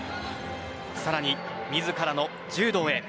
さらに自らの柔道へ。